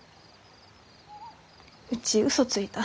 うちウソついた。